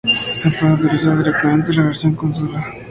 Se puede utilizar directamente la versión en consola.